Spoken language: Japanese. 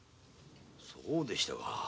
そうでしたか。